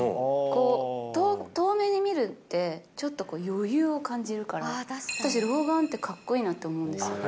こう、遠目に見るって、ちょっとこう、余裕を感じるから、私、老眼ってかっこいいなって思います。